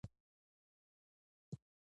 که خلکو پرېښودې